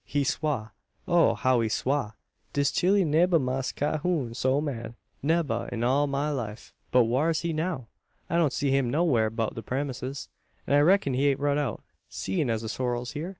He swa; oh! how he swa! Dis chile nebba see Mass Cahoon so mad nebba, in all 'im life!" "But whar's he now? I don't see him nowhar' beout the premises; an I reck'n he ain't rud out, seein' as the sorrel's hyur?"